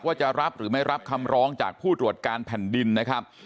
ว่าจะรับหรือไม่รับคำร้องจากผู้ตรวจการแผ่นดินนะครับ